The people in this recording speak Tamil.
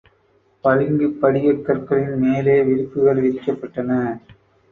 பளிங்குப் படிகக் கற்களின் மேலே விரிப்புகள் விரிக்கப்பட்டன.